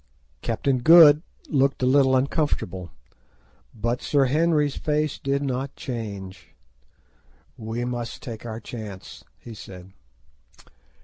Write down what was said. Captain Good looked a little uncomfortable, but Sir Henry's face did not change. "We must take our chance," he said.